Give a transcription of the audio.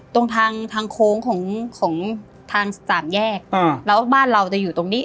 ตรงทางทางโค้งของของทางสามแยกแล้วบ้านเราจะอยู่ตรงนี้